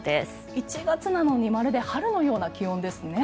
１月なのにまるで春のような気温ですね。